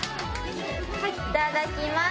いただきます。